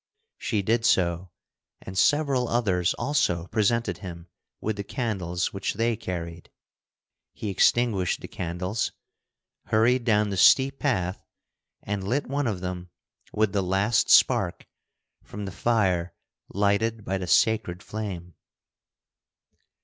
She did so, and several others also presented him with the candles which they carried. He extinguished the candles, hurried down the steep path, and lit one of them with the last spark from the fire lighted by the sacred flame.